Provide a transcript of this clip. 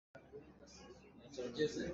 Na cungah sunlawinak vialte um ko seh.